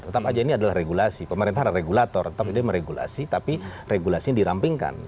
tetap saja ini adalah regulasi pemerintah adalah regulator tetap ini meregulasi tapi regulasi yang dirampingkan